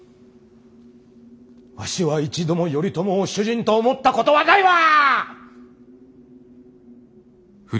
わしは一度も頼朝を主人と思ったことはないわ！